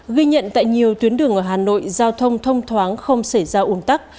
ghi nhận tại nhiều tuyến đường ở hà nội giao thông thông thoáng không xảy ra uốn tắc